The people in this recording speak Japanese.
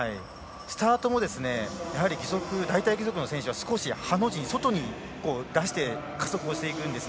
スタート大たい義足の選手は少しハの字、外に出して加速していくんです。